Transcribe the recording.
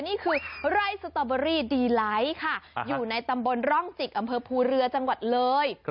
นี่คือไร่สตอเบอรี่ดีไลท์ค่ะอยู่ในตำบลร่องจิกอำเภอภูเรือจังหวัดเลย